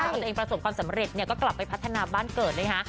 ถ้าตัวเองประสบความสำเร็จก็กลับไปพัฒนาบ้านเกิดเลยฮะ